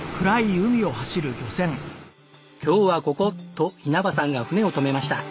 「今日はここ」と稲葉さんが船を止めました。